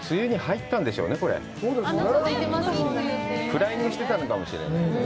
フライングしてたのかもしれないね。